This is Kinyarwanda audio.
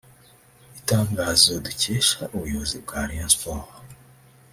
Itangazo dukesha ubuyobozi bwa Rayon Sports